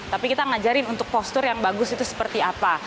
tapi kita ngajarin untuk postur yang bagus itu seperti apa